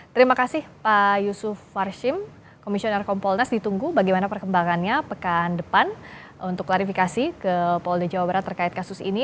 terima kasih pak yusuf warshim komisioner kompolnas ditunggu bagaimana perkembangannya pekan depan untuk klarifikasi ke polda jawa barat terkait kasus ini